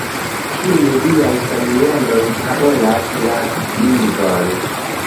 Ĉiuj liaj familianoj parolas la lingvon.